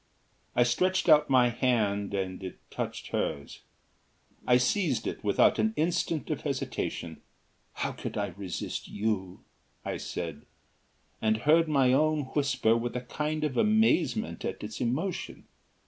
I stretched out my hand and it touched hers. I seized it without an instant of hesitation. "How could I resist you?" I said, and heard my own whisper with a kind of amazement at its emotion.